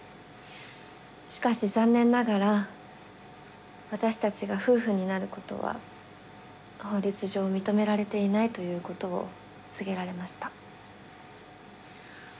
しかし残念ながら私たちが夫婦になることは法律上認められていないということを告げられました。